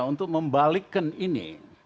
untuk membalikkan ini